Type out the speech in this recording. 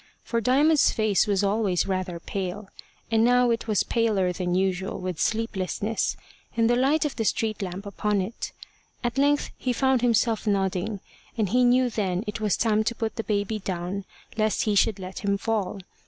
For Diamond's face was always rather pale, and now it was paler than usual with sleeplessness, and the light of the street lamp upon it. At length he found himself nodding, and he knew then it was time to put the baby down, lest he should let him fall.